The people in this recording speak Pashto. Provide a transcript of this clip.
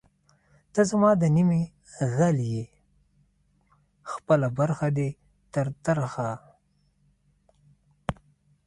ته زما د نیمې غل ئې خپله برخه دی تر ترخه